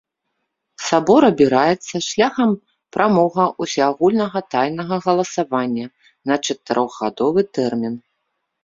Сабор абіраецца шляхам прамога ўсеагульнага тайнага галасавання на чатырохгадовы тэрмін.